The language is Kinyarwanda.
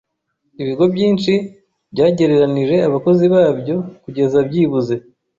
Ibigo byinshi byagereranije abakozi babyo kugeza byibuze.